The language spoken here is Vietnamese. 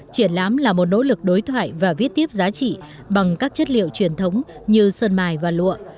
triển lãm là một nỗ lực đối thoại và viết tiếp giá trị bằng các chất liệu truyền thống như sơn mài và lụa